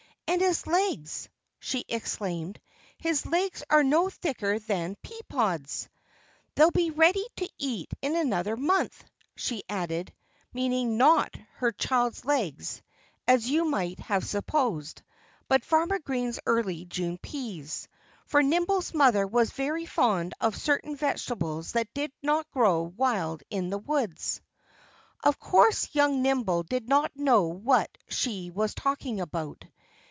And his legs " she exclaimed "his legs are no thicker than pea pods.... They'll be ready to eat in another month," she added, meaning not her child's legs, as you might have supposed, but Farmer Green's early June peas. For Nimble's mother was very fond of certain vegetables that did not grow wild in the woods. Of course young Nimble did not know what she was talking about.